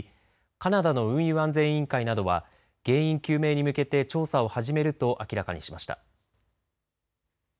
カナダの運輸安全委員会などは原因究明に向けて調査を始めると明らかにしました。